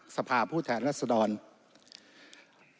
แต่การเลือกนายกรัฐมนตรี